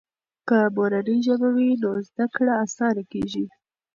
که مورنۍ ژبه وي نو زده کړه آسانه کیږي.